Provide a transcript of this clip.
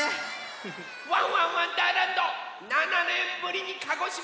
「ワンワンわんだーらんど」７ねんぶりに鹿児島にかえってきました！